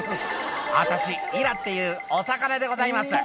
「私イラっていうお魚でございます」